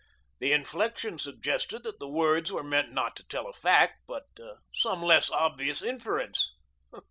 The inflection suggested that the words were meant not to tell a fact, but some less obvious inference.